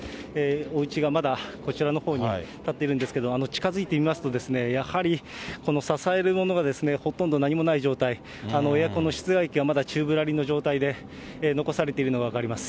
おうちがまだ、こちらのほうに建っているんですけど、近づいてみますと、やはり、この支えるものがほとんど何もない状態、エアコンの室外機がまだ宙ぶらりんの状態で残されているのが分かります。